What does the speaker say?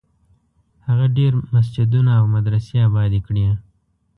هغې ډېر مسجدونه او مدرسې ابادي کړې.